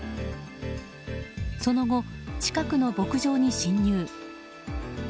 その後、近くの牧場に侵入。